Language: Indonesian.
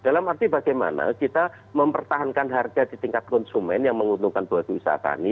dalam arti bagaimana kita mempertahankan harga di tingkat konsumen yang menguntungkan buah wisata